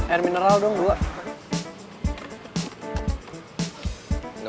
air mineral dong dua